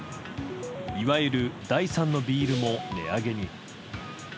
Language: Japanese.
いわゆる第三のビールも値上げに。